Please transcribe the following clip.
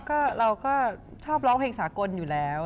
ก็เราก็ชอบร้องเพลงสากลอยู่แล้ว